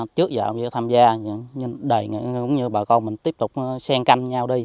trước giờ cũng như bà con tiếp tục sen canh